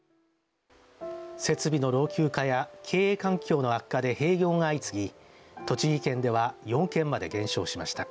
設備の老朽化や経営環境の悪化で閉業が相次ぎ栃木県では４軒まで減少しました。